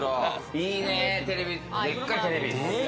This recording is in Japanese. いいね、でっかいテレビ。